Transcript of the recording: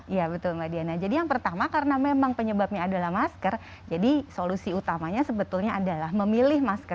iya betul mbak diana jadi yang pertama karena memang penyebabnya adalah masker jadi solusi utamanya sebetulnya adalah memilih masker